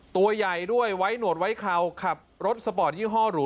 ตัวใหญ่ด้วยไว้หนวดไว้เคราวขับรถสปอร์ตยี่ห้อหรู